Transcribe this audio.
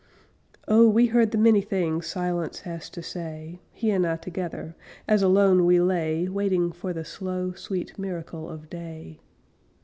Oh, we heard the many things Silence has to say; He and I together As alone we lay Waiting for the slow, sweet Miracle of day.